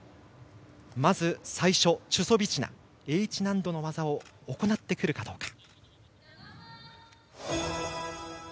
まず最初チュソビチナＨ難度の技を行ってくるかどうか。